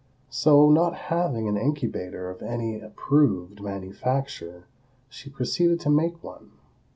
So, not having an incubator of any approved manufacture, she proceeded to make one.